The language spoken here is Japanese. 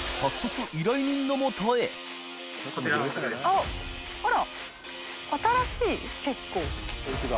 あっあら。